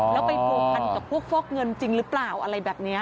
แล้วไปผัวพันกับพวกฟอกเงินจริงหรือเปล่าอะไรแบบนี้